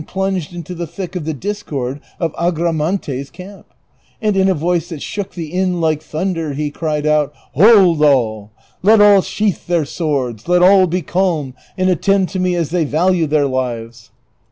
plunged into tlie tliick of tlie discord of Agraniante's camp ;^ and, in a voice tliat shook the inn like thunder, he cried .out, " Hold all, let all sheathe their swords, let all be calm and attend to me as they value their lives